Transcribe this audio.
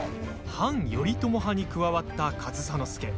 反頼朝派に加わった上総介。